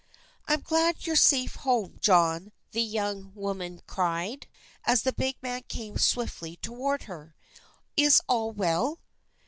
"I'm glad you're safe home, John," the young woman cried, as the big man came swiftly toward her. "Is all well?"